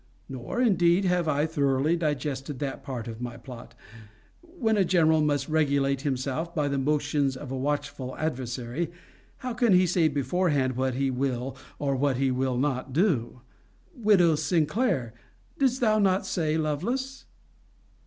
Nor, indeed, have I thoroughly digested that part of my plot. When a general must regulate himself by the motions of a watchful adversary, how can he say beforehand what he will, or what he will not, do? Widow SINCLAIR, didst thou not say, Lovelace?